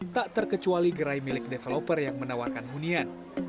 tak terkecuali gerai milik developer yang menawarkan hunian